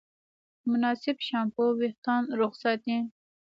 مناسب شامپو وېښتيان روغ ساتي.